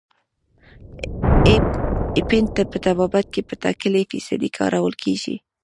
اپین په طبابت کې په ټاکلې فیصدۍ کارول کیږي.